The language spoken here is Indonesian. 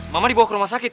mama dibawa ke rumah sakit